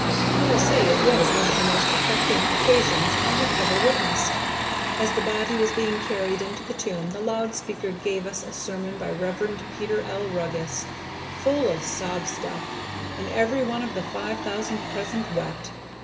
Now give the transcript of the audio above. I'll say it was one of the most affecting occasions I have ever witnessed. As the body was being carried into the tomb the loud speaker gave us a sermon by Rev. Peter L. Ruggus, full of sob stuff, and every one of the five thousand present wept.